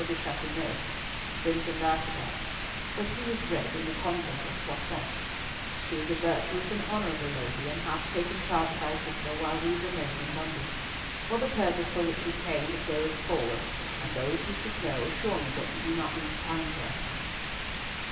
de Chateauneuf, the French Ambassador, but who was bred in the convent of Soissons. She is a virtuous and honourable lady, and hath taken charge of thy sister while we remain in London. For the purpose for which we came, it goeth forward, and those who should know assure me that we do not lose time here.